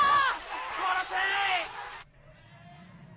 殺せ！